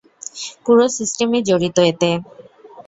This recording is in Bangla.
পুরো সিস্টেমই জড়িত এতে।